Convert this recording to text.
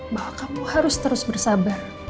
bahwa kamu harus terus bersabar